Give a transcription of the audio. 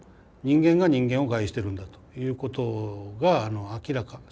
人間が人間を害してるんだということが明らか。